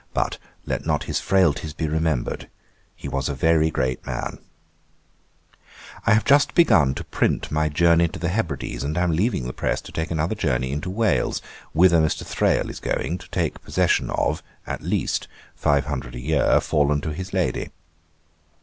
But let not his frailties be remembered; he was a very great man. 'I have just begun to print my Journey to the Hebrides, and am leaving the press to take another journey into Wales, whither Mr. Thrale is going, to take possession of, at least, five hundred a year, fallen to his lady.